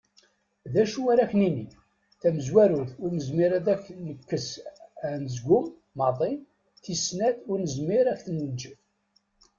D acu ara ak-nini? Tamezwarut, ur nezmir ad ak-nekkes anezgum maḍi, tis snat, ur nezmir ad k-neǧǧ.